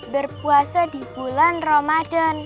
berpuasa di bulan ramadhan